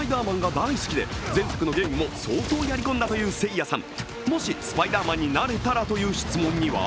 「スパイダーマン」が大好きで、前作のゲームも相当やり込んだというせいやさん。